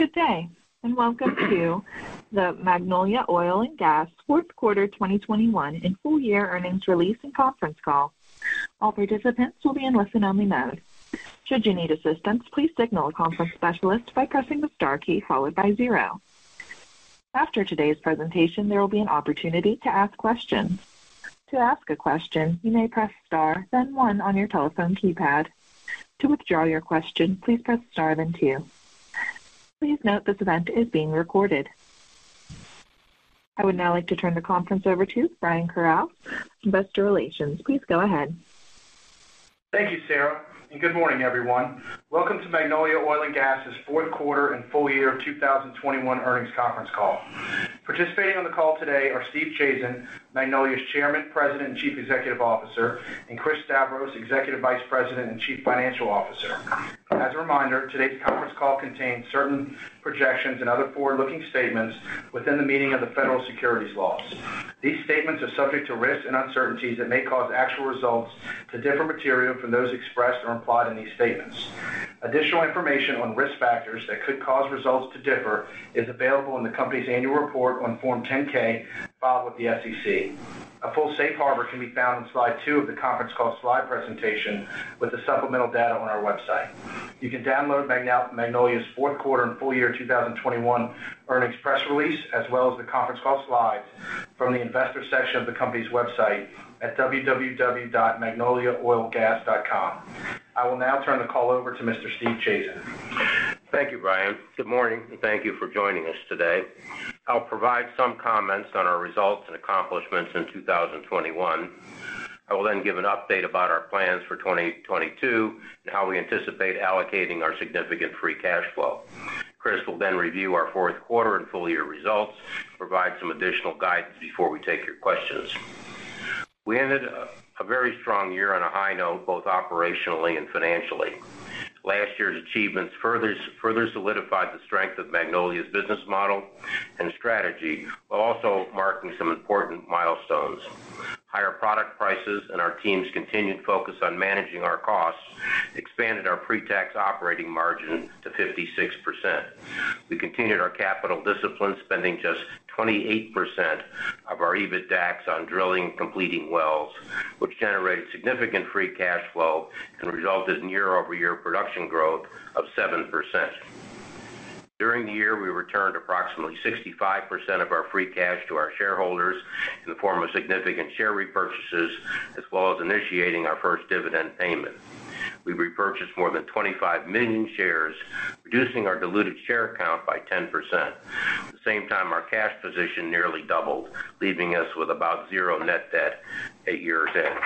Good day, and welcome to the Magnolia Oil & Gas fourth quarter 2021 and full year earnings release and conference call. All participants will be in listen-only mode. Should you need assistance, please signal a conference specialist by pressing the star key followed by zero. After today's presentation, there will be an opportunity to ask questions. To ask a question, you may press star, then one on your telephone keypad. To withdraw your question, please press star, then two. Please note this event is being recorded. I would now like to turn the conference over to Brian Corales, Investor Relations. Please go ahead. Thank you, Sarah, and good morning, everyone. Welcome to Magnolia Oil & Gas' fourth quarter and full year 2021 earnings conference call. Participating on the call today are Steve Chazen, Magnolia's Chairman, President, and Chief Executive Officer, and Chris Stavros, Executive Vice President and Chief Financial Officer. As a reminder, today's conference call contains certain projections and other forward-looking statements within the meaning of the federal securities laws. These statements are subject to risks and uncertainties that may cause actual results to differ materially from those expressed or implied in these statements. Additional information on risk factors that could cause results to differ is available in the company's annual report on Form 10-K filed with the SEC. A full safe harbor can be found in slide two of the conference call slide presentation with the supplemental data on our website. You can download Magnolia's fourth quarter and full year 2021 earnings press release, as well as the conference call slides from the investor section of the company's website at www.magnoliaoilgas.com. I will now turn the call over to Mr. Steve Chazen. Thank you, Brian. Good morning, and thank you for joining us today. I'll provide some comments on our results and accomplishments in 2021. I will then give an update about our plans for 2022 and how we anticipate allocating our significant free cash flow. Chris will then review our fourth quarter and full year results, provide some additional guidance before we take your questions. We ended a very strong year on a high note, both operationally and financially. Last year's achievements further solidified the strength of Magnolia's business model and strategy, while also marking some important milestones. Higher product prices and our team's continued focus on managing our costs expanded our pre-tax operating margin to 56%. We continued our capital discipline, spending just 28% of our EBITDAX on drilling and completing wells, which generated significant free cash flow and resulted in year-over-year production growth of 7%. During the year, we returned approximately 65% of our free cash to our shareholders in the form of significant share repurchases, as well as initiating our first dividend payment. We repurchased more than 25 million shares, reducing our diluted share count by 10%. At the same time, our cash position nearly doubled, leaving us with about zero net debt at year-end.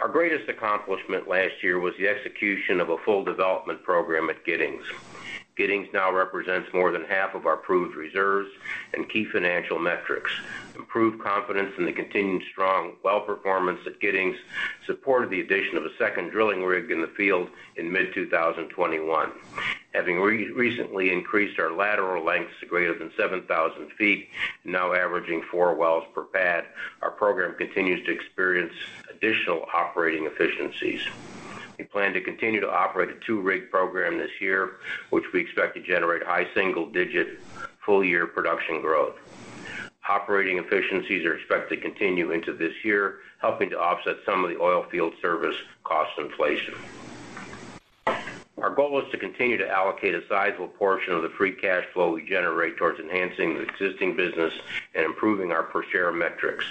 Our greatest accomplishment last year was the execution of a full development program at Giddings. Giddings now represents more than half of our proved reserves and key financial metrics. Improved confidence in the continued strong well performance at Giddings supported the addition of a second drilling rig in the field in mid-2021. Having recently increased our lateral lengths to greater than 7,000 ft, now averaging four wells per pad, our program continues to experience additional operating efficiencies. We plan to continue to operate a two-rig program this year, which we expect to generate high single-digit% full-year production growth. Operating efficiencies are expected to continue into this year, helping to offset some of the oil field service cost inflation. Our goal is to continue to allocate a sizable portion of the free cash flow we generate towards enhancing the existing business and improving our per share metrics.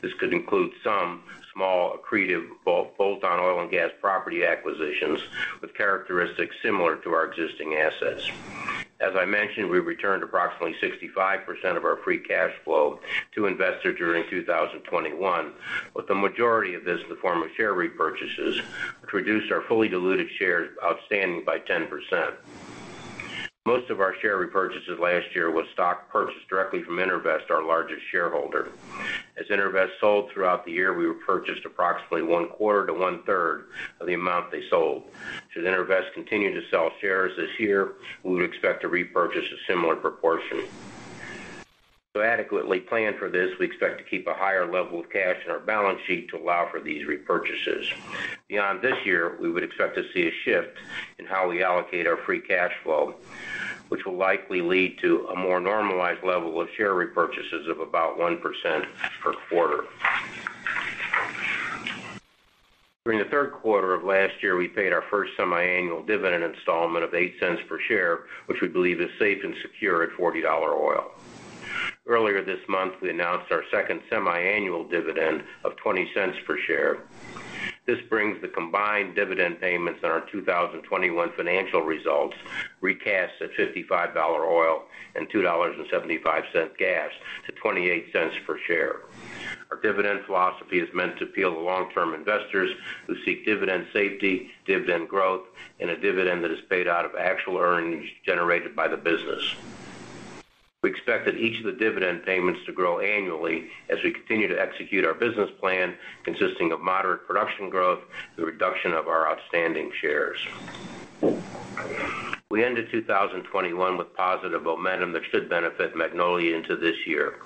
This could include some small accretive bolt-on oil and gas property acquisitions with characteristics similar to our existing assets. As I mentioned, we returned approximately 65% of our free cash flow to investors during 2021, with the majority of this in the form of share repurchases, which reduced our fully diluted shares outstanding by 10%. Most of our share repurchases last year was stock purchased directly from EnerVest, our largest shareholder. As EnerVest sold throughout the year, we repurchased approximately one quarter to one-third of the amount they sold. Should EnerVest continue to sell shares this year, we would expect to repurchase a similar proportion. To adequately plan for this, we expect to keep a higher level of cash in our balance sheet to allow for these repurchases. Beyond this year, we would expect to see a shift in how we allocate our free cash flow, which will likely lead to a more normalized level of share repurchases of about 1% per quarter. During the third quarter of last year, we paid our first semiannual dividend installment of $0.08 per share, which we believe is safe and secure at $40 oil. Earlier this month, we announced our second semiannual dividend of $0.20 per share. This brings the combined dividend payments on our 2021 financial results recast at $55 oil and $2.75 gas to $0.28 per share. Our dividend philosophy is meant to appeal to long-term investors who seek dividend safety, dividend growth, and a dividend that is paid out of actual earnings generated by the business. We expect that each of the dividend payments to grow annually as we continue to execute our business plan, consisting of moderate production growth, the reduction of our outstanding shares. We ended 2021 with positive momentum that should benefit Magnolia into this year.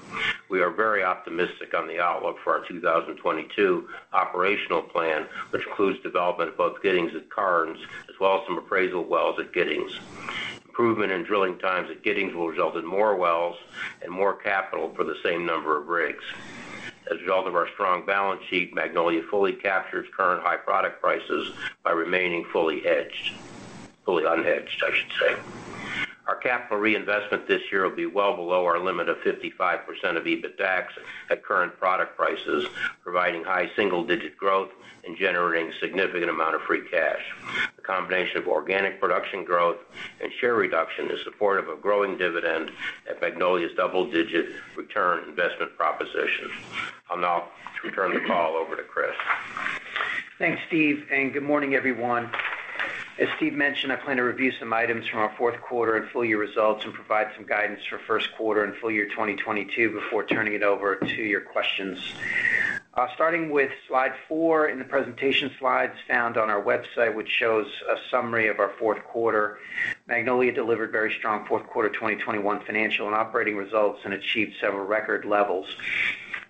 We are very optimistic on the outlook for our 2022 operational plan, which includes development of both Giddings and Karnes, as well as some appraisal wells at Giddings. Improvement in drilling times at Giddings will result in more wells and more capital for the same number of rigs. As a result of our strong balance sheet, Magnolia fully captures current high product prices by remaining fully hedged. Fully unhedged, I should say. Our capital reinvestment this year will be well below our limit of 55% of EBITDAX at current product prices, providing high single-digit growth and generating significant amount of free cash. The combination of organic production growth and share reduction is supportive of growing dividend at Magnolia's double-digit return investment proposition. I'll now return the call over to Chris. Thanks, Steve, and good morning, everyone. As Steve mentioned, I plan to review some items from our fourth quarter and full year results and provide some guidance for first quarter and full year 2022 before turning it over to your questions. Starting with slide four in the presentation slides found on our website, which shows a summary of our fourth quarter. Magnolia delivered very strong fourth quarter 2021 financial and operating results and achieved several record levels.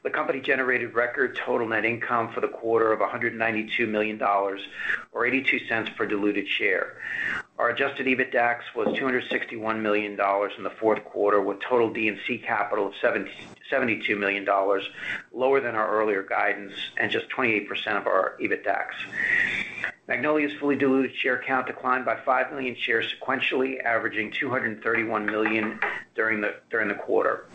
The company generated record total net income for the quarter of $192 million or $0.82 per diluted share. Our adjusted EBITDAX was $261 million in the fourth quarter, with total D&C capital of $772 million, lower than our earlier guidance, and just 28% of our EBITDAX. Magnolia's fully diluted share count declined by 5 million shares sequentially, averaging 231 million during the quarter.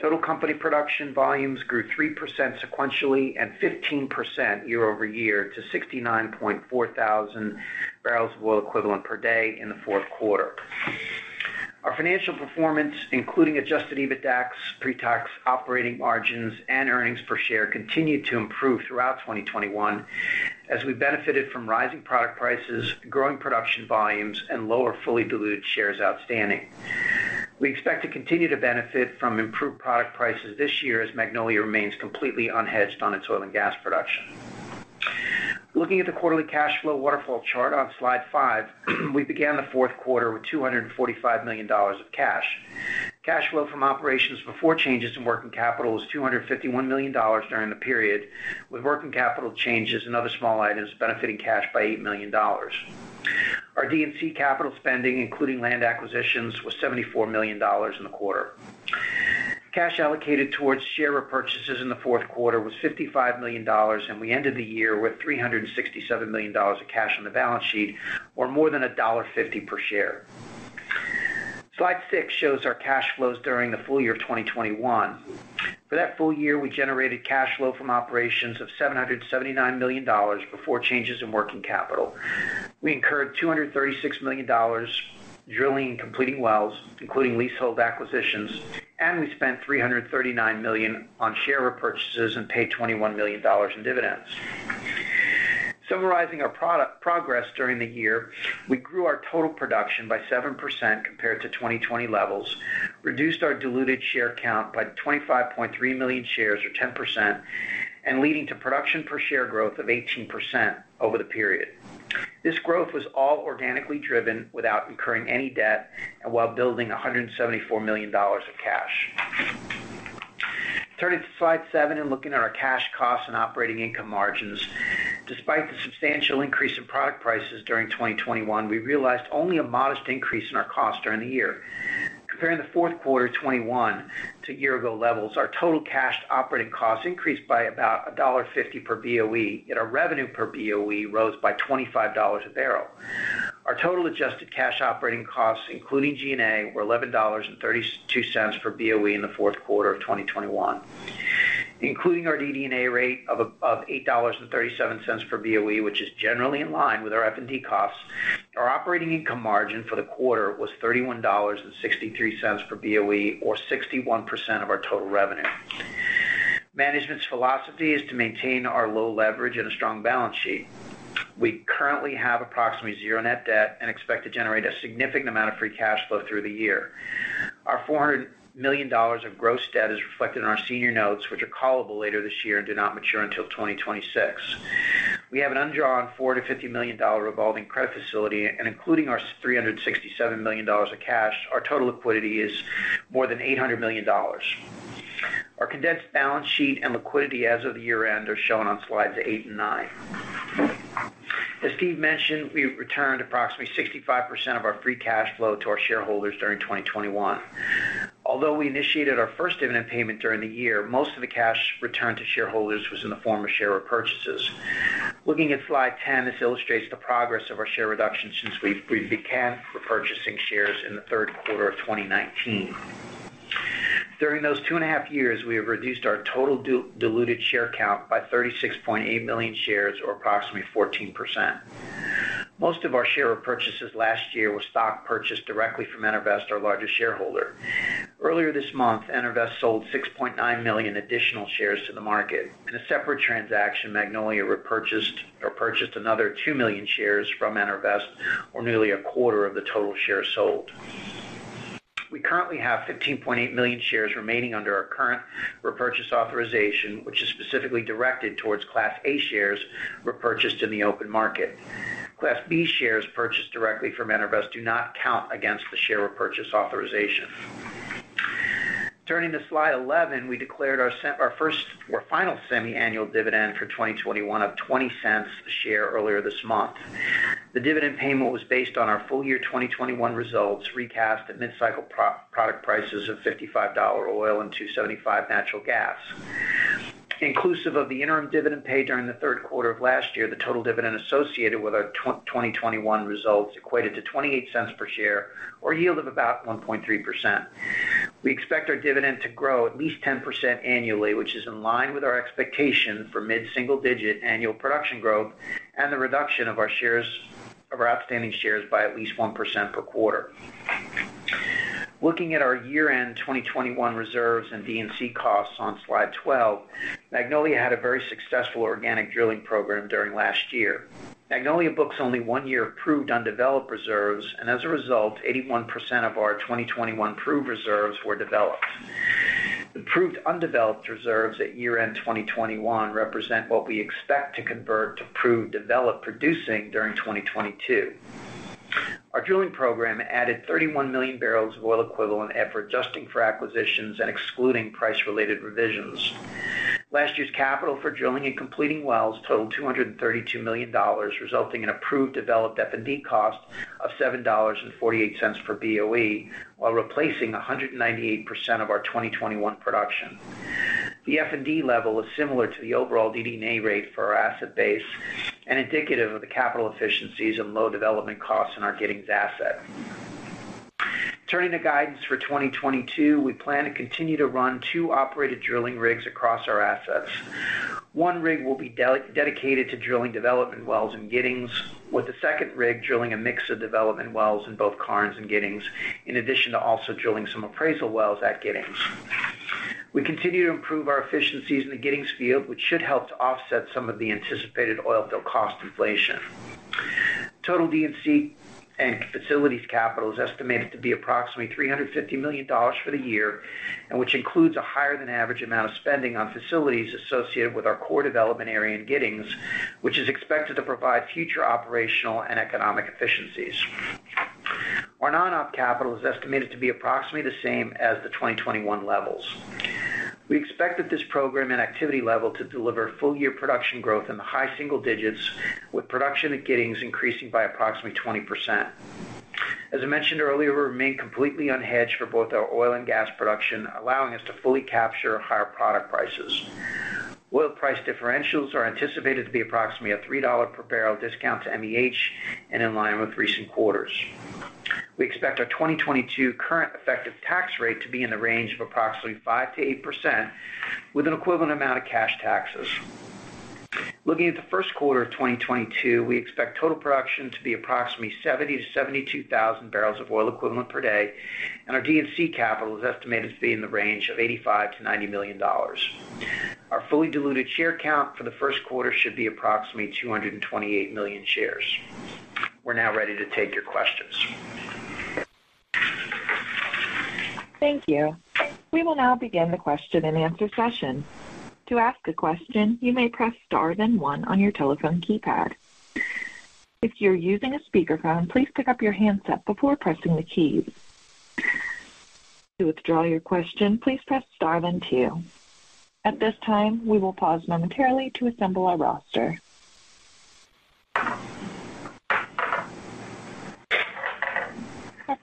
Total company production volumes grew 3% sequentially and 15% year-over-year to 69.4 thousand barrels of oil equivalent per day in the fourth quarter. Our financial performance, including adjusted EBITDAX, pre-tax operating margins, and earnings per share, continued to improve throughout 2021 as we benefited from rising product prices, growing production volumes, and lower fully diluted shares outstanding. We expect to continue to benefit from improved product prices this year as Magnolia remains completely unhedged on its oil and gas production. Looking at the quarterly cash flow waterfall chart on slide 5, we began the fourth quarter with $245 million of cash. Cash flow from operations before changes in working capital was $251 million during the period, with working capital changes and other small items benefiting cash by $8 million. Our D&C capital spending, including land acquisitions, was $74 million in the quarter. Cash allocated towards share repurchases in the fourth quarter was $55 million, and we ended the year with $367 million of cash on the balance sheet, or more than $1.50 per share. Slide six shows our cash flows during the full year of 2021. For that full year, we generated cash flow from operations of $779 million before changes in working capital. We incurred $236 million drilling and completing wells, including leasehold acquisitions, and we spent $339 million on share repurchases and paid $21 million in dividends. Summarizing our progress during the year, we grew our total production by 7% compared to 2020 levels, reduced our diluted share count by 25.3 million shares or 10%, and leading to production per share growth of 18% over the period. This growth was all organically driven without incurring any debt and while building $174 million of cash. Turning to slide seven and looking at our cash costs and operating income margins. Despite the substantial increase in product prices during 2021, we realized only a modest increase in our cost during the year. Comparing the fourth quarter 2021 to year-ago levels, our total cash operating costs increased by about $1.50 per BOE, yet our revenue per BOE rose by $25 a barrel. Our total adjusted cash operating costs, including G&A, were $11.32 per BOE in the fourth quarter of 2021. Including our DD&A rate of eight dollars and thirty-seven cents per BOE, which is generally in line with our F&D costs, our operating income margin for the quarter was $31.63 per BOE, or 61% of our total revenue. Management's philosophy is to maintain our low leverage and a strong balance sheet. We currently have approximately 0 net debt and expect to generate a significant amount of free cash flow through the year. Our $400 million of gross debt is reflected in our senior notes, which are callable later this year and do not mature until 2026. We have an undrawn $450 million revolving credit facility, and including our $367 million of cash, our total liquidity is more than $800 million. Our condensed balance sheet and liquidity as of year-end are shown on slides eight and nine. As Steve mentioned, we returned approximately 65% of our free cash flow to our shareholders during 2021. Although we initiated our first dividend payment during the year, most of the cash returned to shareholders was in the form of share repurchases. Looking at slide 10, this illustrates the progress of our share reduction since we began repurchasing shares in the third quarter of 2019. During those two and a half years, we have reduced our total diluted share count by 36.8 million shares, or approximately 14%. Most of our share repurchases last year were stock purchased directly from EnerVest, our largest shareholder. Earlier this month, EnerVest sold 6.9 million additional shares to the market. In a separate transaction, Magnolia repurchased another 2 million shares from EnerVest, or nearly a quarter of the total shares sold. We currently have 15.8 million shares remaining under our current repurchase authorization, which is specifically directed towards Class A shares repurchased in the open market. Class B shares purchased directly from EnerVest do not count against the share repurchase authorization. Turning to slide 11, we declared our first or final semiannual dividend for 2021 of $0.20 a share earlier this month. The dividend payment was based on our full year 2021 results, recast at mid-cycle pro-product prices of $55 oil and $2.75 natural gas. Inclusive of the interim dividend paid during the third quarter of last year, the total dividend associated with our 2021 results equated to $0.28 per share or yield of about 1.3%. We expect our dividend to grow at least 10% annually, which is in line with our expectation for mid-single digit annual production growth and the reduction of our outstanding shares by at least 1% per quarter. Looking at our year-end 2021 reserves and D&C costs on slide 12, Magnolia had a very successful organic drilling program during last year. Magnolia books only one year of proved undeveloped reserves, and as a result, 81% of our 2021 proved reserves were developed. The proved undeveloped reserves at year-end 2021 represent what we expect to convert to proved developed producing during 2022. Our drilling program added 31 million barrels of oil equivalent after adjusting for acquisitions and excluding price-related revisions. Last year's capital for drilling and completing wells totaled $232 million, resulting in a proved developed F&D cost of $7.48 per BOE, while replacing 198% of our 2021 production. The F&D level is similar to the overall DD&A rate for our asset base and indicative of the capital efficiencies and low development costs in our Giddings asset. Turning to guidance for 2022, we plan to continue to run 2 operated drilling rigs across our assets. One rig will be dedicated to drilling development wells in Giddings, with the second rig drilling a mix of development wells in both Karnes and Giddings, in addition to also drilling some appraisal wells at Giddings. We continue to improve our efficiencies in the Giddings field, which should help to offset some of the anticipated oil field cost inflation. Total D&C and facilities capital is estimated to be approximately $350 million for the year, which includes a higher than average amount of spending on facilities associated with our core development area in Giddings, which is expected to provide future operational and economic efficiencies. Our non-op capital is estimated to be approximately the same as the 2021 levels. We expect that this program and activity level to deliver full year production growth in the high single digits%, with production at Giddings increasing by approximately 20%. As I mentioned earlier, we remain completely unhedged for both our oil and gas production, allowing us to fully capture higher product prices. Oil price differentials are anticipated to be approximately a $3 per barrel discount to MEH and in line with recent quarters. We expect our 2022 current effective tax rate to be in the range of approximately 5%-8%, with an equivalent amount of cash taxes. Looking at the first quarter of 2022, we expect total production to be approximately 70,000-72,000 barrels of oil equivalent per day, and our D&C capital is estimated to be in the range of $85 million-$90 million. Our fully diluted share count for the first quarter should be approximately 228 million shares. We're now ready to take your questions. Thank you. We will now begin the question and answer session. To ask a question, you may press star then one on your telephone keypad. If you're using a speakerphone, please pick up your handset before pressing the keys. To withdraw your question, please press star then two. At this time, we will pause momentarily to assemble our roster. Our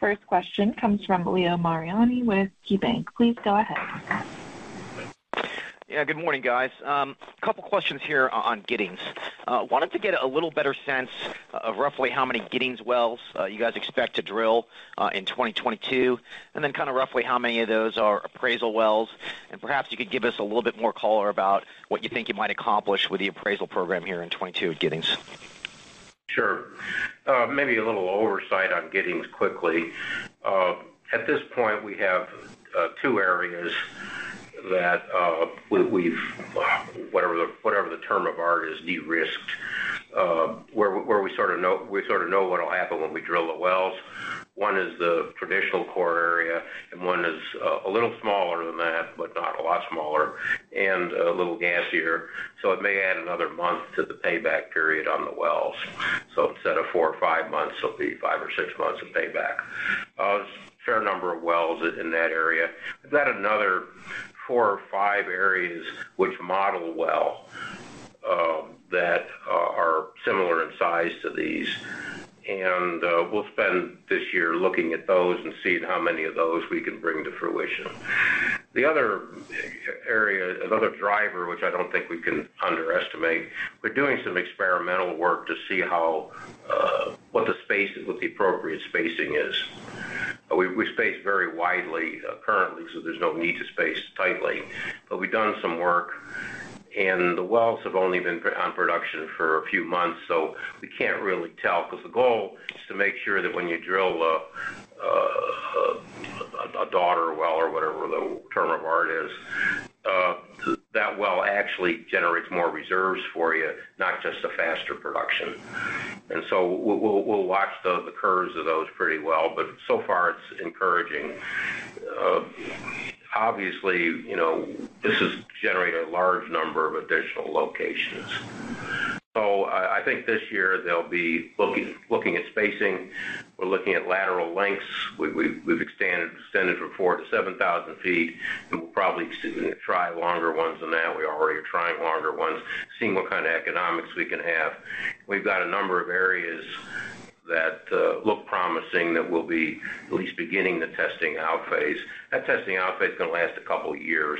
first question comes from Leo Mariani with KeyBanc. Please go ahead. Yeah. Good morning, guys. A couple questions here on Giddings. Wanted to get a little better sense of roughly how many Giddings wells you guys expect to drill in 2022. Kinda roughly how many of those are appraisal wells. Perhaps you could give us a little bit more color about what you think you might accomplish with the appraisal program here in 2022 at Giddings. Sure. Maybe a little overview on Giddings quickly. At this point, we have two areas that we have whatever the term of art is, de-risked. Where we sort of know what'll happen when we drill the wells. One is the traditional core area, and one is a little smaller than that, but not a lot smaller, and a little gassier. It may add another month to the payback period on the wells. Instead of 4 or 5 months, it'll be 5 or 6 months of payback. There's a fair number of wells in that area. We've got another 4 or 5 areas which model well, that are similar in size to these. We'll spend this year looking at those and seeing how many of those we can bring to fruition. The other area, another driver, which I don't think we can underestimate, we're doing some experimental work to see how what the space is, what the appropriate spacing is. We space very widely currently, so there's no need to space tightly. But we've done some work, and the wells have only been on production for a few months, so we can't really tell. Because the goal is to make sure that when you drill a daughter well or whatever The term of art is that well actually generates more reserves for you, not just a faster production. We'll watch the curves of those pretty well, but so far it's encouraging. Obviously, you know, this has generated a large number of additional locations. I think this year they'll be looking at spacing. We're looking at lateral lengths. We've extended from 4,000 to 7,000 ft, and we'll probably try longer ones than that. We already are trying longer ones, seeing what kind of economics we can have. We've got a number of areas that look promising that we'll be at least beginning the testing out phase. That testing out phase is gonna last a couple years.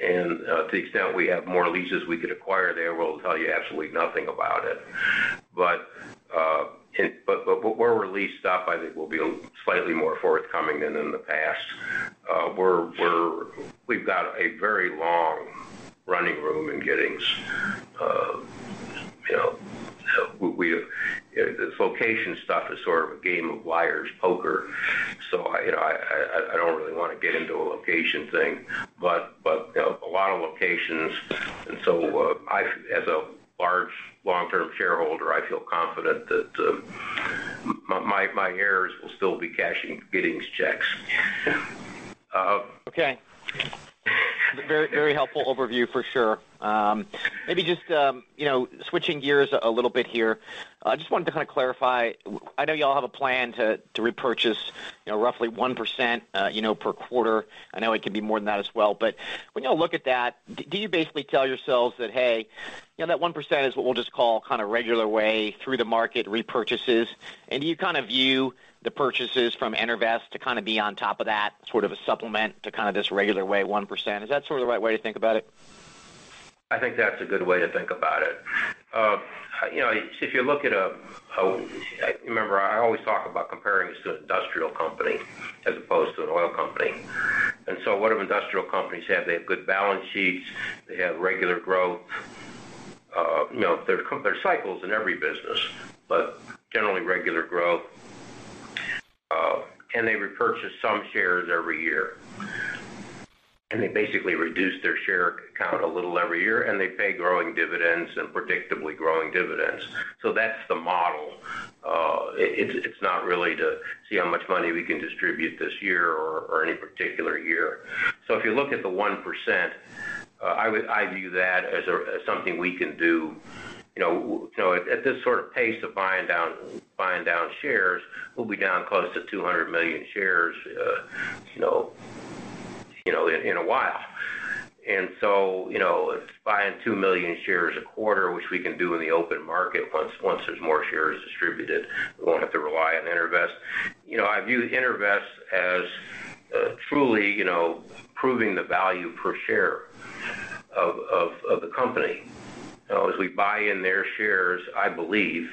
To the extent we have more leases we could acquire there, we'll tell you absolutely nothing about it. But it. Where we're leased up, I think we'll be slightly more forthcoming than in the past. We've got a very long running room in Giddings. This location stuff is sort of a game of liar's poker, so I, you know, don't really wanna get into a location thing. You know, a lot of locations, and so, as a large long-term shareholder, I feel confident that, my heirs will still be cashing Giddings checks. Okay. Very, very helpful overview for sure. Maybe just, you know, switching gears a little bit here. I just wanted to kinda clarify. I know y'all have a plan to repurchase, you know, roughly 1%, per quarter. I know it can be more than that as well. When y'all look at that, do you basically tell yourselves that, "Hey, you know, that 1% is what we'll just call kinda regular way through the market repurchases." Do you kinda view the purchases from EnerVest to kinda be on top of that, sort of a supplement to kinda this regular way, 1%? Is that sort of the right way to think about it? I think that's a good way to think about it. You know, if you look at. Remember, I always talk about comparing this to an industrial company as opposed to an oil company. What do industrial companies have? They have good balance sheets. They have regular growth. You know, there are cycles in every business, but generally regular growth. They repurchase some shares every year. They basically reduce their share count a little every year, and they pay growing dividends and predictably growing dividends. That's the model. It's not really to see how much money we can distribute this year or any particular year. If you look at the 1%, I would. I view that as something we can do, you know, at this sort of pace of buying down shares, we'll be down close to 200 million shares, you know, in a while. You know, it's buying 2 million shares a quarter, which we can do in the open market once there's more shares distributed. We won't have to rely on EnerVest. You know, I view EnerVest as truly, you know, proving the value per share of the company. As we buy in their shares, I believe,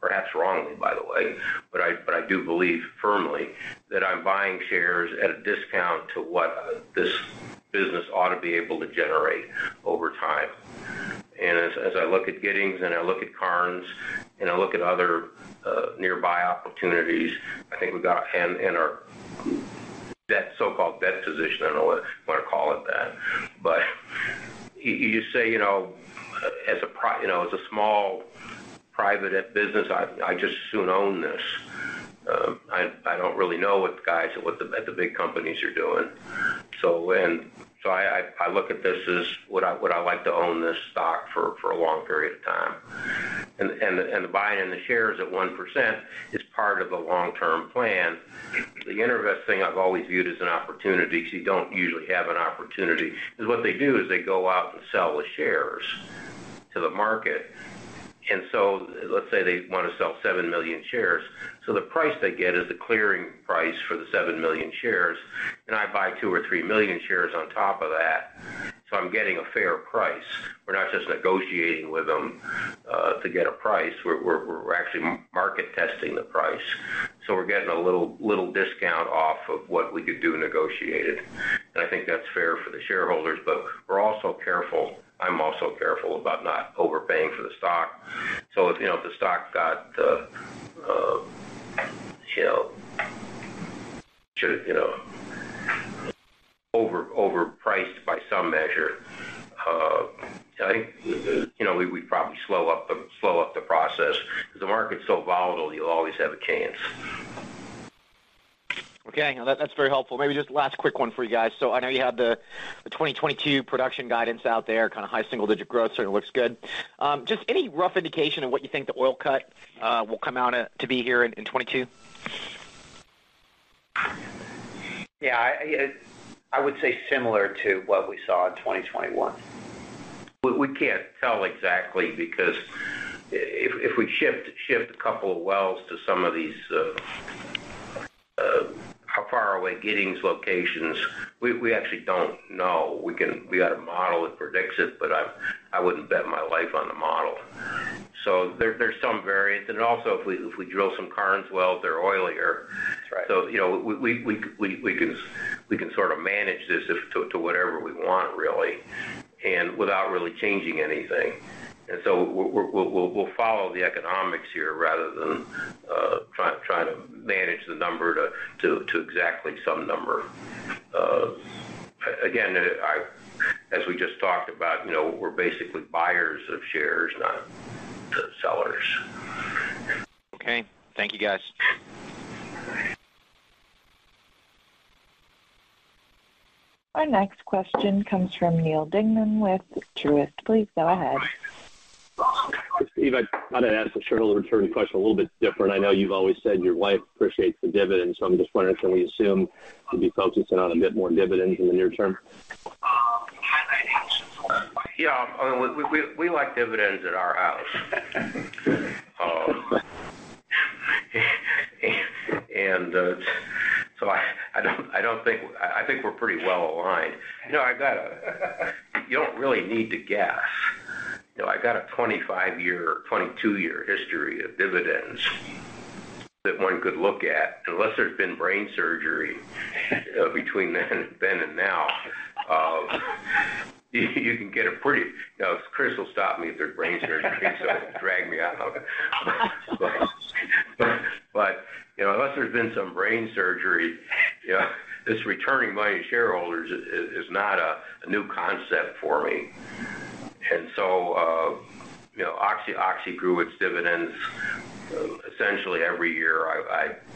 perhaps wrongly, by the way, but I do believe firmly that I'm buying shares at a discount to what this business ought to be able to generate over time. As I look at Giddings, and I look at Karnes, and I look at other nearby opportunities, I think we got in our net debt, so-called net debt position. I don't know what to call it that. But you just say, you know, as a small private business, I just as soon own this. I don't really know what the big companies are doing. So I look at this as would I like to own this stock for a long period of time? The buying in the shares at 1% is part of the long-term plan. The EnerVest thing I've always viewed as an opportunity, because you don't usually have an opportunity, is what they do is they go out and sell the shares to the market. Let's say they wanna sell 7 million shares. The price they get is the clearing price for the 7 million shares, and I buy 2 or 3 million shares on top of that, so I'm getting a fair price. We're not just negotiating with them to get a price. We're actually market testing the price. We're getting a little discount off of what we could do negotiated, and I think that's fair for the shareholders. We're also careful. I'm also careful about not overpaying for the stock. If you know if the stock got overpriced by some measure, I think you know we'd probably slow up the process, 'cause the market's so volatile, you'll always have a chance. Okay. No, that's very helpful. Maybe just last quick one for you guys. I know you have the 2022 production guidance out there, kinda high single-digit growth, certainly looks good. Just any rough indication of what you think the oil cut will come out at to be here in 2022? Yeah. I would say similar to what we saw in 2021. We can't tell exactly because if we shift a couple of wells to some of these how far away Giddings locations, we actually don't know. We got a model that predicts it, but I wouldn't bet my life on the model. There's some variance. Also, if we drill some Karnes wells, they're oilier. That's right. You know, we can sort of manage this to whatever we want, really, and without really changing anything. We'll follow the economics here rather than trying to manage the number to exactly some number. As we just talked about, you know, we're basically buyers of shares, not the sellers. Okay. Thank you, guys. Our next question comes from Neal Dingmann with Truist. Please go ahead. Steve, I thought I'd ask a shareholder return question a little bit different. I know you've always said your wife appreciates the dividend, so I'm just wondering, can we assume you'll be focusing on a bit more dividend in the near term? Yeah. I mean, we like dividends at our house. I think we're pretty well aligned. You know, you don't really need to guess. You know, I've got a 25-year, 22-year history of dividends that one could look at. Unless there's been brain surgery between then and now, Chris will stop me if there's brain surgery, so drag me out. You know, unless there's been some brain surgery, you know, this returning money to shareholders is not a new concept for me. You know, Oxy grew its dividends essentially every year. You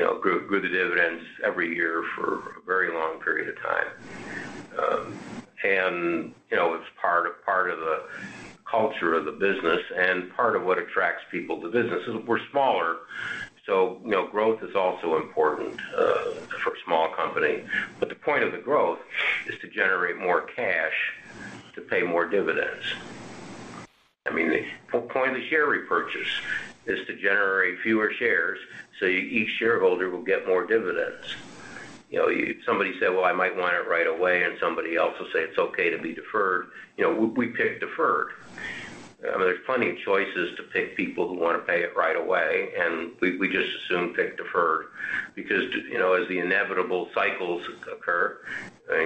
know, we grew the dividends every year for a very long period of time. You know, it's part of the culture of the business and part of what attracts people to business. We're smaller, so you know, growth is also important for a small company. The point of the growth is to generate more cash to pay more dividends. I mean, the whole point of share repurchase is to generate fewer shares, so each shareholder will get more dividends. You know, somebody said, "Well, I might want it right away," and somebody else will say, "It's okay to be deferred." You know, we pick deferred. I mean, there's plenty of choices to pick people who want to pay it right away, and we just assume pick deferred because, you know, as the inevitable cycles occur,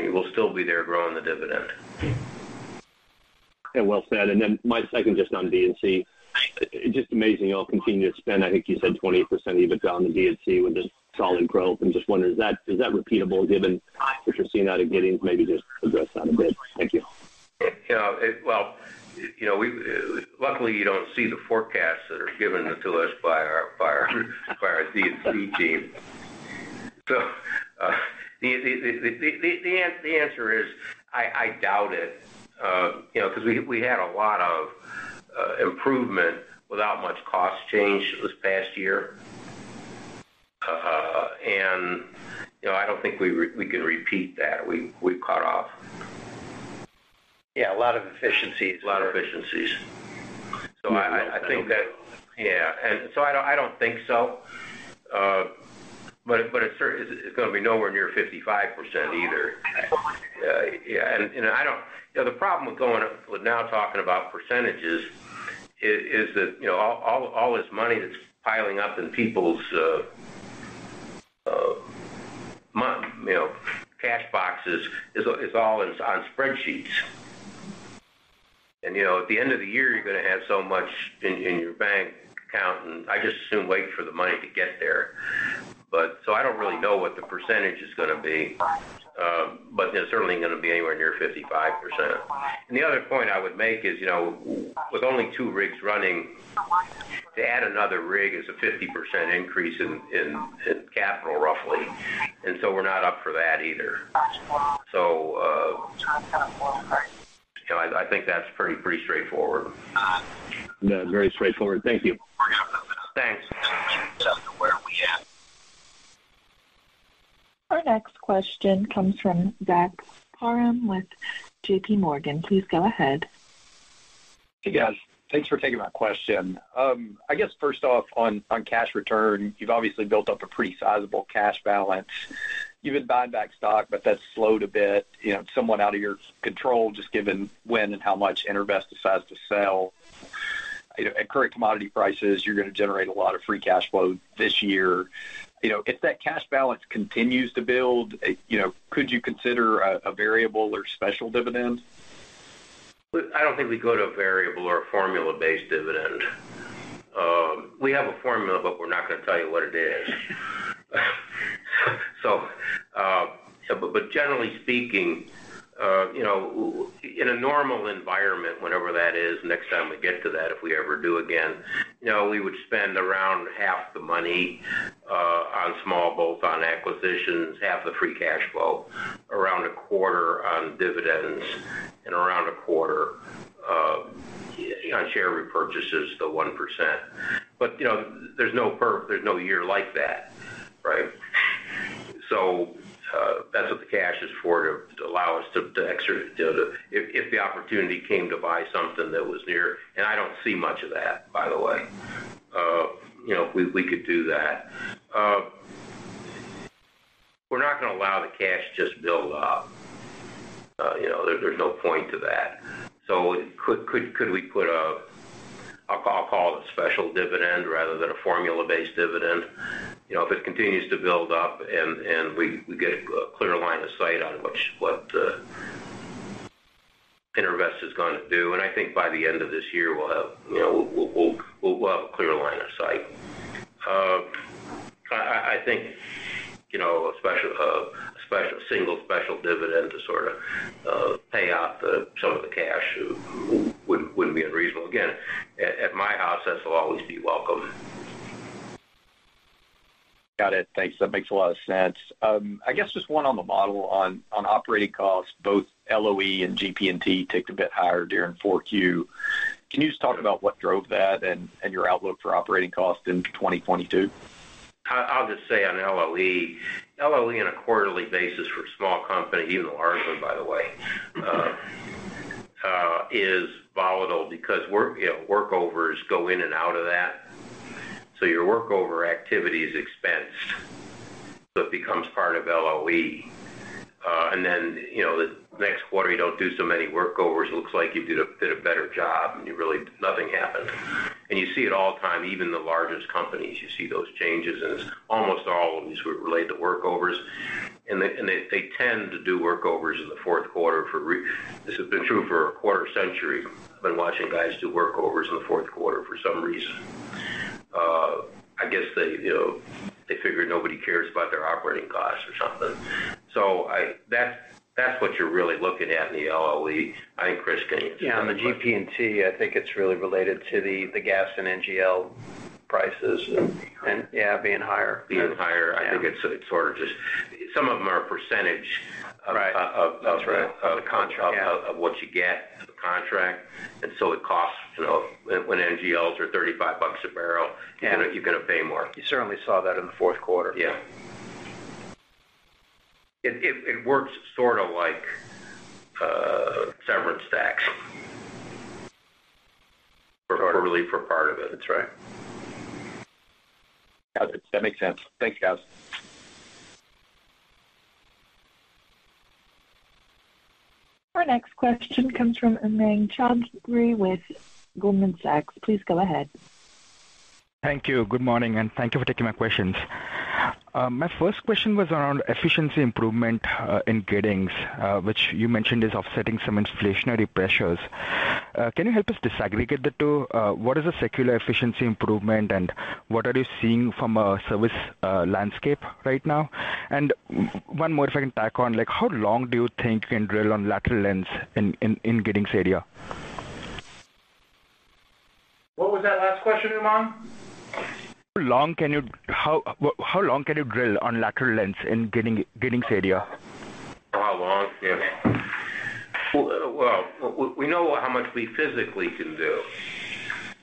you will still be there growing the dividend. Yeah. Well said. Then my second just on D&C. Just amazing, y'all continue to spend, I think you said 20% EBITDA on the D&C with the solid growth. I'm just wondering is that repeatable given what you're seeing out of Giddings? Maybe just address that a bit. Thank you. Yeah. Well, you know, luckily, you don't see the forecasts that are given to us by our D&C team. The answer is, I doubt it, you know, 'cause we had a lot of improvement without much cost change this past year. You know, I don't think we can repeat that. We've caught off. Yeah, a lot of efficiencies. A lot of efficiencies. I think that. Yeah. I don't think so. But it's gonna be nowhere near 55% either. Yeah, you know, the problem with now talking about percentages is that, you know, all this money that's piling up in people's cash boxes is all on spreadsheets. You know, at the end of the year, you're gonna have so much in your bank account, and I just as soon wait for the money to get there. I don't really know what the percentage is gonna be, but it's certainly not gonna be anywhere near 55%. The other point I would make is, you know, with only two rigs running, to add another rig is a 50% increase in capital, roughly. We're not up for that either. You know, I think that's pretty straightforward. Yeah. Very straightforward. Thank you. Thanks. Our next question comes from Zach Parham with JPMorgan. Please go ahead. Hey, guys. Thanks for taking my question. I guess first off on cash return, you've obviously built up a pretty sizable cash balance. You've been buying back stock, but that's slowed a bit, you know, somewhat out of your control, just given when and how much EnerVest decides to sell. You know, at current commodity prices, you're gonna generate a lot of free cash flow this year. You know, if that cash balance continues to build, you know, could you consider a variable or special dividend? I don't think we go to a variable or a formula-based dividend. We have a formula, but we're not gonna tell you what it is. But generally speaking, you know, in a normal environment, whenever that is, next time we get to that, if we ever do again, you know, we would spend around half the money on small bolt-ons, on acquisitions, half the free cash flow, around a quarter on dividends and around a quarter, you know, on share repurchases, the 1%. But, you know, there's no year like that, right? That's what the cash is for, to allow us to. If the opportunity came to buy something that was near, and I don't see much of that, by the way, you know, we could do that. We're not gonna allow the cash to just build up. You know, there's no point to that. Could we put a, I'll call it a special dividend rather than a formula-based dividend. You know, if it continues to build up and we get a clear line of sight on what EnerVest is going to do, and I think by the end of this year, we'll have, you know, a clear line of sight. I think, you know, a single special dividend to sort of pay off some of the cash wouldn't be unreasonable. Again, at my house, this will always be welcome. Got it. Thanks. That makes a lot of sense. I guess just one on the model on operating costs, both LOE and GP&T ticked a bit higher during 4Q. Can you just talk about what drove that and your outlook for operating costs into 2022? I'll just say on LOE. LOE on a quarterly basis for a small company, even a large one, by the way, is volatile because, you know, workovers go in and out of that. Your workover activity is expensed, so it becomes part of LOE. Then, you know, the next quarter, you don't do so many workovers. It looks like you did a better job, and really nothing happened. You see it all the time, even the largest companies. You see those changes, and it's almost all of them sort of relate to workovers. They tend to do workovers in the fourth quarter. This has been true for a quarter century. I've been watching guys do workovers in the fourth quarter for some reason. I guess they, you know, they figure nobody cares about their operating costs or something. That's what you're really looking at in the LOE. I think Chris can answer that question. On the GP&T, I think it's really related to the gas and NGL prices being higher. I think it's sort of just some of them are a percentage of the contract. Of what you get in the contract. It costs, you know, when NGLs are $35 a barrel. You're gonna pay more. You certainly saw that in the fourth quarter. It works sort of like severance tax for really for part of it. Got it. That makes sense. Thanks, guys. Our next question comes from Umang Choudhary with Goldman Sachs. Please go ahead. Thank you. Good morning, and thank you for taking my questions. My first question was around efficiency improvement in Giddings, which you mentioned is offsetting some inflationary pressures. Can you help us disaggregate the two? What is the secular efficiency improvement, and what are you seeing from a service landscape right now? One more, if I can tack on, like, how long do you think you can drill on lateral lengths in Giddings area? What was that last question, Umang? How long can you drill on lateral lengths in Giddings area? Oh, how long? Yeah. Well, we know how much we physically can do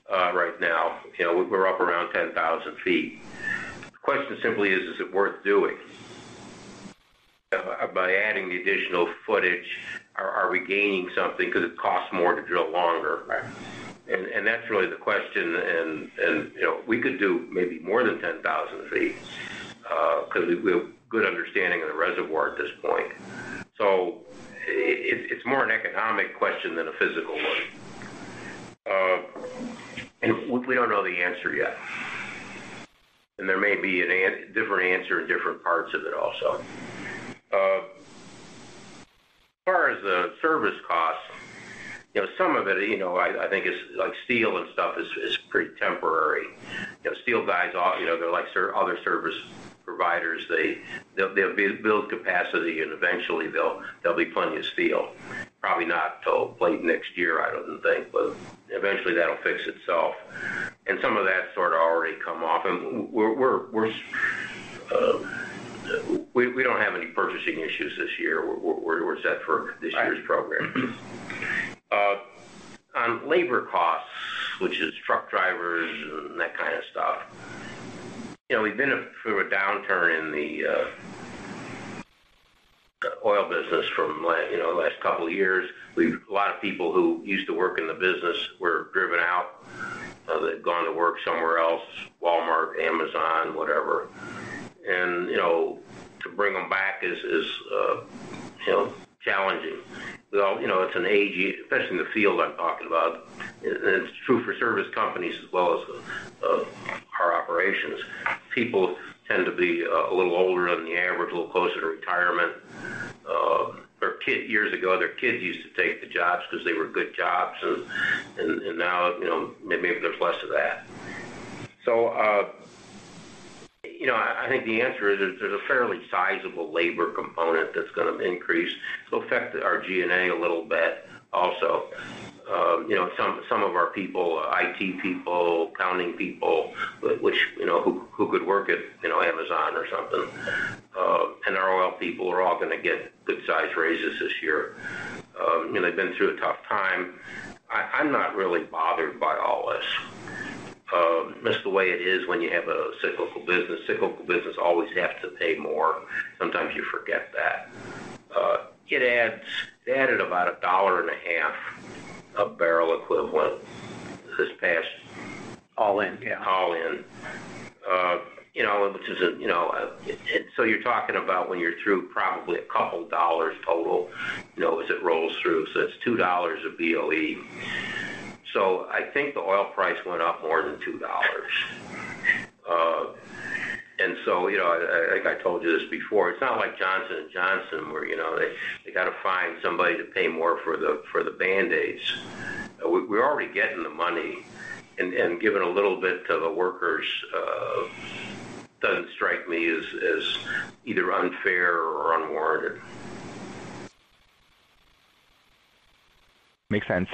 right now. You know, we're up around 10,000 ft. The question simply is it worth doing? By adding the additional footage, are we gaining something because it costs more to drill longer? Right. That's really the question. You know, we could do maybe more than 10,000 ft because we have good understanding of the reservoir at this point. It's more an economic question than a physical one. We don't know the answer yet. There may be a different answer in different parts of it also. As far as the service costs, you know, some of it, you know, I think is like steel and stuff is pretty temporary. You know, steel guys, you know, they're like other service providers. They'll build capacity, and eventually there'll be plenty of steel. Probably not till late next year, I don't think, but eventually that'll fix itself. Some of that sort of already come off. We don't have any purchasing issues this year. We're set for this year's program. Right. On labor costs, which is truck drivers and that kind of stuff, you know, we've been through a downturn in the oil business from you know, last couple of years. A lot of people who used to work in the business were driven out. They've gone to work somewhere else, Walmart, Amazon, whatever. You know, to bring them back is you know, challenging. You know, it's an aging. Especially in the field, I'm talking about. It's true for service companies as well as our operations. People tend to be a little older on the average, a little closer to retirement. Years ago, their kids used to take the jobs because they were good jobs and now, you know, maybe there's less of that. You know, I think the answer is there's a fairly sizable labor component that's gonna increase. It'll affect our G&A a little bit also. You know, some of our people, IT people, accounting people, who could work at, you know, Amazon or something, and our oil people are all gonna get good size raises this year. You know, they've been through a tough time. I'm not really bothered by all this. That's the way it is when you have a cyclical business. Cyclical business always have to pay more. Sometimes you forget that. It added about $1.50 a barrel equivalent this past. All in, yeah. All in. You know, which is a, you know. You're talking about when you're through probably a couple of dollars total, you know, as it rolls through. It's $2 a BOE. I think the oil price went up more than $2. You know, like I told you this before, it's not like Johnson & Johnson where, you know, they gotta find somebody to pay more for the Band-Aids. We're already getting the money and giving a little bit to the workers doesn't strike me as either unfair or unwarranted. Makes sense.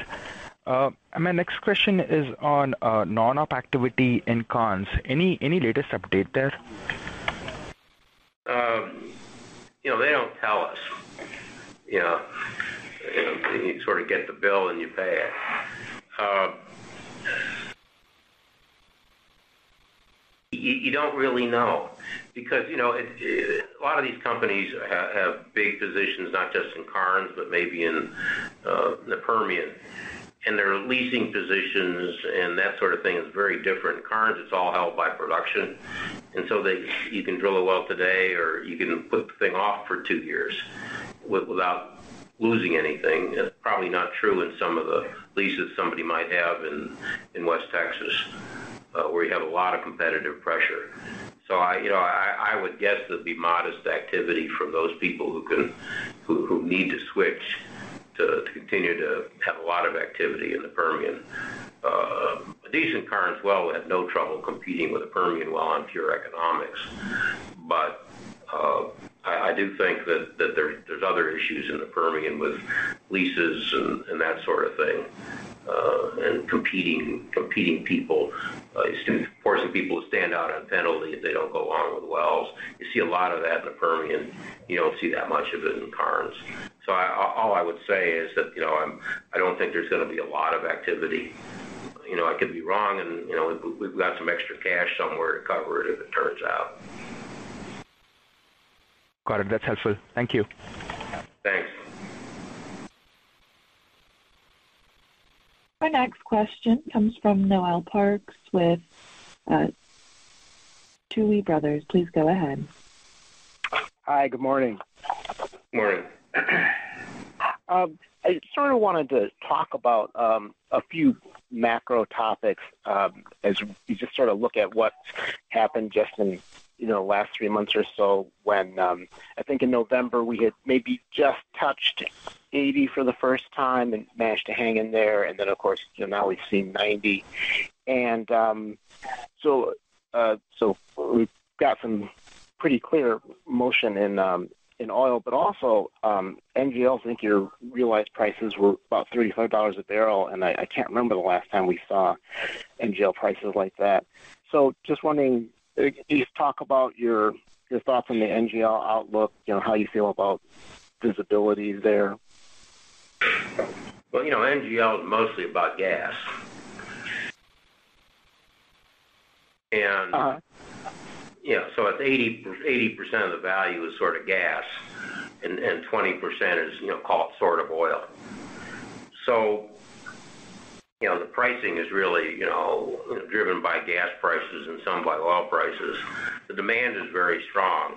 My next question is on non-op activity in Karnes. Any latest update there? You know, they don't tell us. You know, you sort of get the bill and you pay it. You don't really know because you know a lot of these companies have big positions, not just in Karnes, but maybe in the Permian, and they're leasing positions and that sort of thing is very different. Karnes, it's all held by production, and so they can drill a well today or you can put the thing off for two years without losing anything. That's probably not true in some of the leases somebody might have in West Texas, where you have a lot of competitive pressure. I, you know, would guess there'd be modest activity from those people who need to switch to continue to have a lot of activity in the Permian. A decent Karnes well has no trouble competing with a Permian well on pure economics. I do think that there's other issues in the Permian with leases and that sort of thing, and competing people. It's forcing people to stand out on penalty if they don't go along with the wells. You see a lot of that in the Permian. You don't see that much of it in Karnes. All I would say is that, you know, I don't think there's gonna be a lot of activity. You know, I could be wrong and, you know, we've got some extra cash somewhere to cover it if it turns out. Got it. That's helpful. Thank you. Thanks. Our next question comes from Noel Parks with Tuohy Brothers. Please go ahead. Hi. Good morning. Morning. I sort of wanted to talk about a few macro topics as you just sort of look at what's happened just in, you know, the last three months or so when I think in November, we had maybe just touched $80 for the first time and managed to hang in there. Then, of course, you know, now we've seen $90. So we've got some pretty clear motion in oil, but also NGLs. I think your realized prices were about $35 a barrel, and I can't remember the last time we saw NGL prices like that. Just wondering, could you talk about your thoughts on the NGL outlook? You know, how you feel about visibility there? Well, you know, NGL is mostly about gas. Uh-huh. Yeah, it's 80% of the value is sort of gas and 20% is, you know, call it sort of oil. You know, the pricing is really, you know, driven by gas prices and some by oil prices. The demand is very strong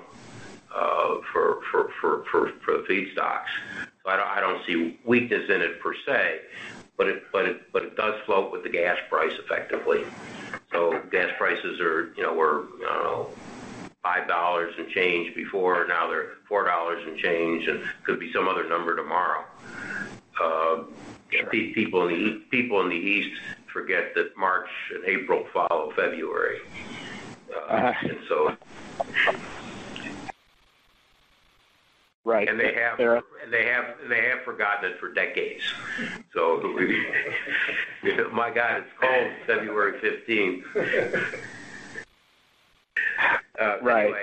for the feedstocks. I don't see weakness in it per se, but it does float with the gas price effectively. Gas prices are, you know, were, I don't know, $5 and change before. Now they're $4 and change, and could be some other number tomorrow. Sure. These people in the east forget that March and April follow February. Uh-huh. And so. Right. They have. There are- They have forgotten it for decades. My God, it's cold February 15. Right.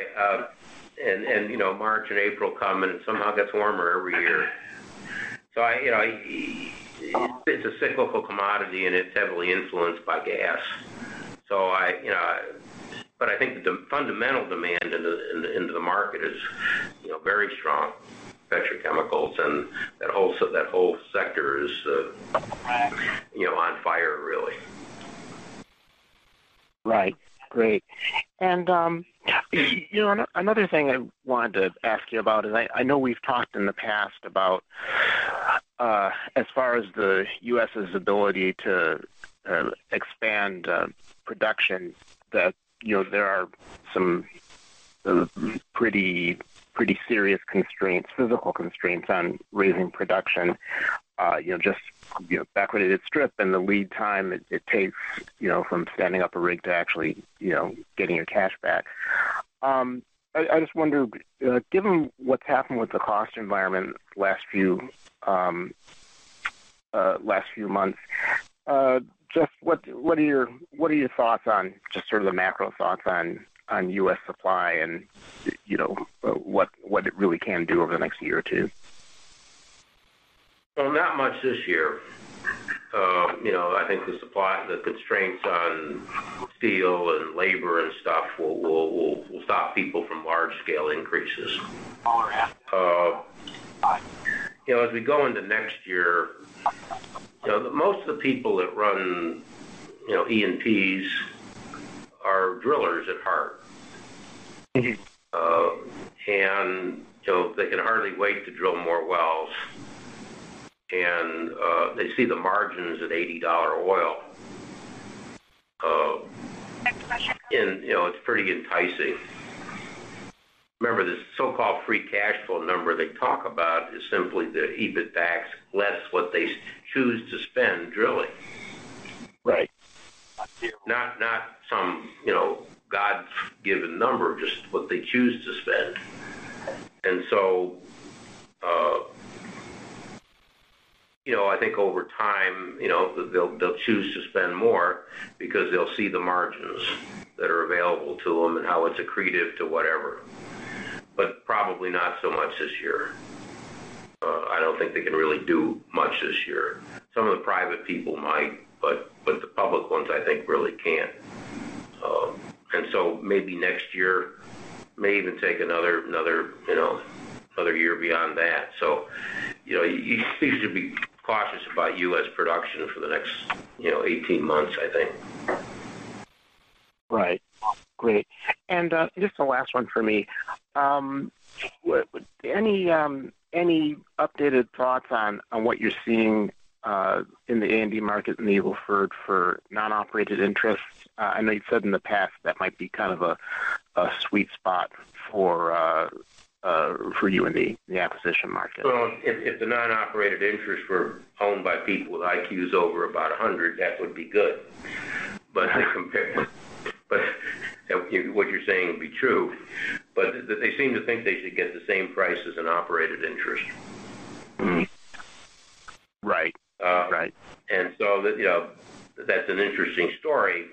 Anyway, you know, March and April come, and it somehow gets warmer every year. I, you know, it's a cyclical commodity and it's heavily influenced by gas. I think the fundamental demand into the market is, you know, very strong, petrochemicals, and that whole sector is you know, on fire really. Right. Great. You know, another thing I wanted to ask you about is I know we've talked in the past about, as far as the U.S.'s ability to expand production that, you know, there are some pretty serious constraints, physical constraints on raising production, you know, just, you know, the lead time it takes, you know, from standing up a rig to actually, you know, getting your cash back. I just wonder, given what's happened with the cost environment last few months, just what are your thoughts on just sort of the macro thoughts on U.S. supply and, you know, what it really can do over the next year or two? Well, not much this year. You know, I think the supply, the constraints on steel and labor and stuff will stop people from large scale increases. All are happy. You know, as we go into next year, you know, most of the people that run, you know, E&Ps are drillers at heart. They can hardly wait to drill more wells. They see the margins at $80 oil. You know, it's pretty enticing. Remember, this so-called free cash flow number they talk about is simply the EBITDAX less what they choose to spend drilling. Right. Not some, you know, God-given number, just what they choose to spend. You know, I think over time, you know, they'll choose to spend more because they'll see the margins that are available to them and how it's accretive to whatever. Probably not so much this year. I don't think they can really do much this year. Some of the private people might, but the public ones, I think, really can't. Maybe next year may even take another, you know, other year beyond that. You know, you should be cautious about U.S. production for the next, you know, 18 months, I think. Right. Great. Just the last one for me. Any updated thoughts on what you're seeing in the A&D market in the Eagle Ford for non-operated interests? I know you've said in the past that might be kind of a sweet spot for you in the acquisition market. Well, if the non-operated interests were owned by people with IQs over about 100, that would be good. What you're saying would be true. They seem to think they should get the same price as an operated interest. Mm-hmm. Right. Uh- Right. You know, that's an interesting story.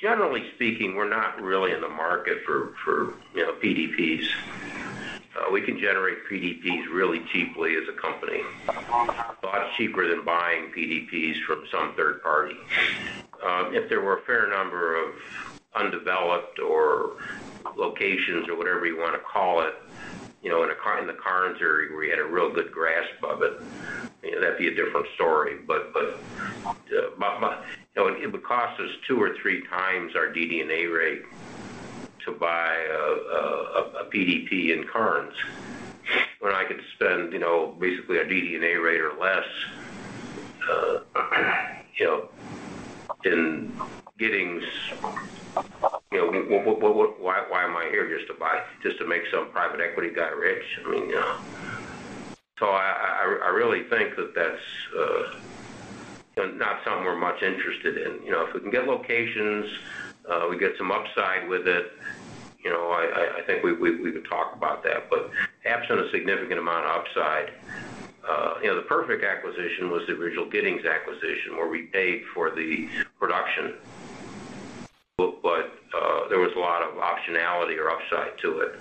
Generally speaking, we're not really in the market for PDPs. We can generate PDPs really cheaply as a company. A lot cheaper than buying PDPs from some third party. If there were a fair number of undeveloped or locations or whatever you wanna call it, you know, in the Karnes area where you had a real good grasp of it, you know, that'd be a different story. You know, it would cost us two or three times our DD&A rate to buy a PDP in Karnes when I could spend, you know, basically a DD&A rate or less, you know, in Giddings, you know. Why am I here? Just to make some private equity guy rich? I mean, I really think that that's not something we're much interested in. You know, if we can get locations, we get some upside with it, you know, I think we could talk about that. Absent a significant amount of upside, you know, the perfect acquisition was the original Giddings acquisition, where we paid for the production. There was a lot of optionality or upside to it.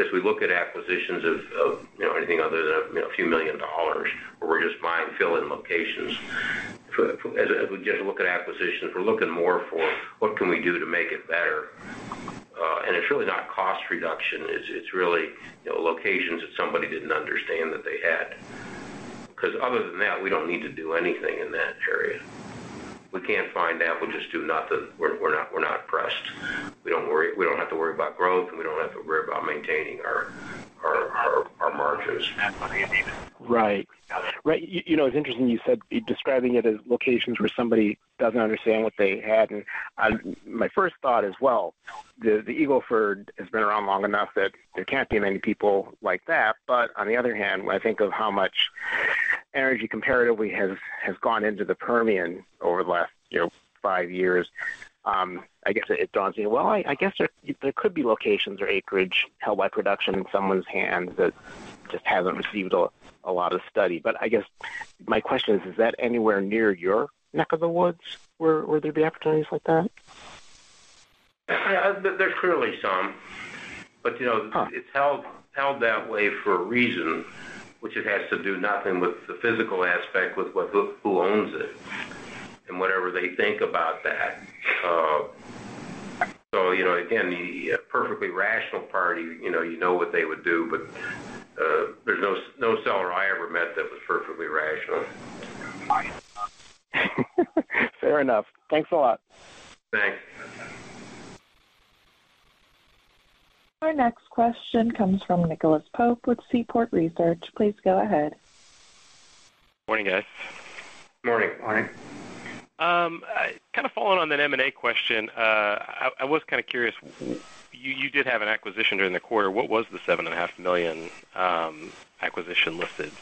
As we look at acquisitions of, you know, anything other than a few million dollars where we're just buying fill-in locations, as we just look at acquisitions, we're looking more for what can we do to make it better. It's really not cost reduction. It's really, you know, locations that somebody didn't understand that they had. Cause other than that, we don't need to do anything in that area. We can't find that, we'll just do nothing. We're not pressed. We don't worry. We don't have to worry about growth, and we don't have to worry about maintaining our margins. Right. You know, it's interesting you said describing it as locations where somebody doesn't understand what they had. My first thought is, well, the Eagle Ford has been around long enough that there can't be many people like that. On the other hand, when I think of how much energy comparatively has gone into the Permian over the last, you know, five years, I guess it dawns on me. Well, I guess there could be locations or acreage held by production in someone's hands that just hasn't received a lot of study. My question is that anywhere near your neck of the woods? Would there be opportunities like that? There's clearly some. You know. Oh. It's held that way for a reason, which it has to do nothing with the physical aspect, with who owns it and whatever they think about that. So, you know, again, the perfectly rational party, you know what they would do, but there's no seller I ever met that was perfectly rational. Fair enough. Thanks a lot. Thanks. Our next question comes from Nicholas Pope with Seaport Research. Please go ahead. Morning, guys. Morning. Kinda following on that M&A question. I was kinda curious. You did have an acquisition during the quarter. What was the $7.5 million acquisition listed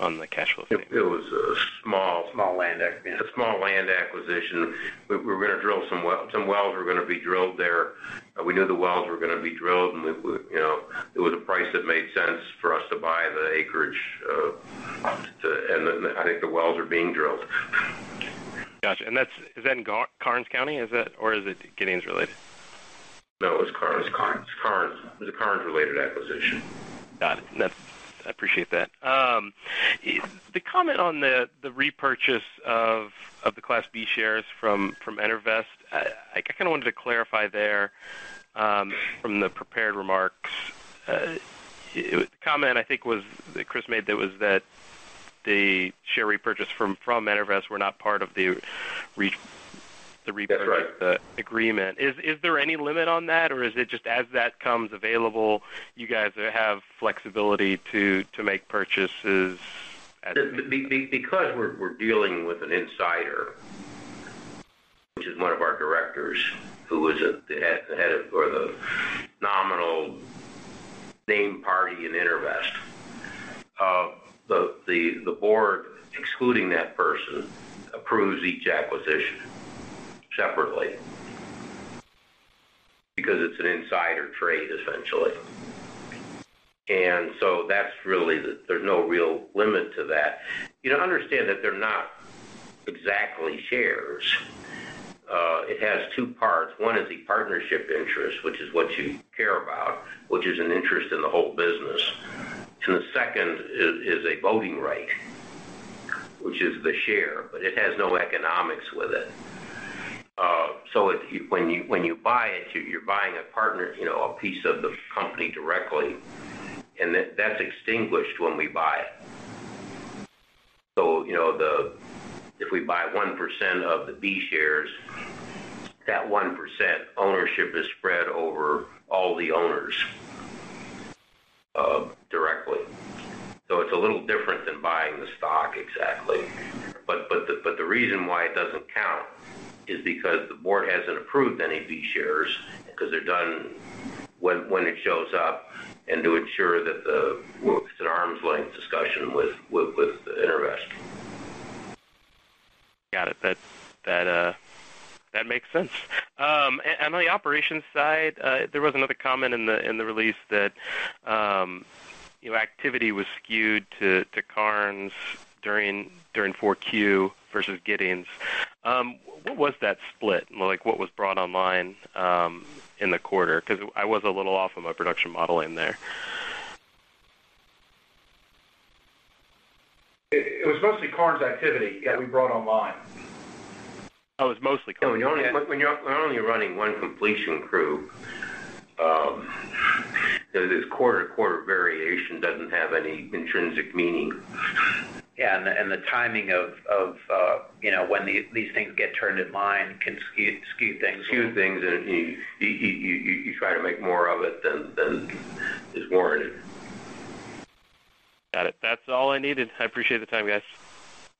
on the cash flow statement? It was a small. A small land acquisition. We're gonna drill some wells there. We knew the wells were gonna be drilled, and you know, it was a price that made sense for us to buy the acreage to. Then I think the wells are being drilled. Gotcha. Is that in Karnes County? Or is it Giddings related? No, it was Karnes. It was a Karnes-related acquisition. Got it. That's. I appreciate that. The comment on the repurchase of the Class B shares from EnerVest, I kinda wanted to clarify there, from the prepared remarks. The comment I think was that Chris made that was that the share repurchase from EnerVest were not part of the re- That's right. the agreement. Is there any limit on that, or is it just as that comes available, you guys have flexibility to make purchases at- Because we're dealing with an insider, which is one of our directors who is the head of or the nominal named party in EnerVest. The board, excluding that person, approves each acquisition separately because it's an insider trade, essentially. That's really the. There's no real limit to that. You know, understand that they're not exactly shares. It has two parts. One is the partnership interest, which is what you care about, which is an interest in the whole business. The second is a voting right, which is the share, but it has no economics with it. When you buy it, you're buying a partner, you know, a piece of the company directly, and that's extinguished when we buy it. You know, the. If we buy 1% of the B-shares, that 1% ownership is spread over all the owners, directly. It's a little different than buying the stock exactly. The reason why it doesn't count is because the board hasn't approved any B-shares because they're done when it shows up and to ensure that the well, it's an arm's length discussion with EnerVest. Got it. That makes sense. And on the operations side, there was another comment in the release that, you know, activity was skewed to Karnes during 4Q versus Giddings. What was that split? Like, what was brought online in the quarter? 'Cause I was a little off on my production model in there. It was mostly Karnes activity that we brought online. Oh, it was mostly Karnes. When you're only running one completion crew, you know, this quarter-to-quarter variation doesn't have any intrinsic meaning. Yeah. The timing of you know when these things get turned online can skew things. Skew things, and you try to make more of it than is warranted. Got it. That's all I needed. I appreciate the time, guys.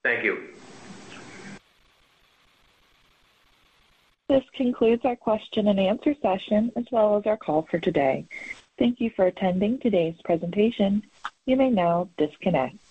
Thank you. This concludes our question and answer session as well as our call for today. Thank you for attending today's presentation. You may now disconnect.